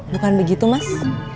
bukan begitu mas